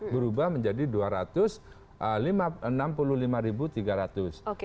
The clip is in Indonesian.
berubah menjadi rp dua ratus enam puluh lima tiga ratus